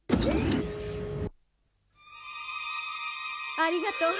ありがとう。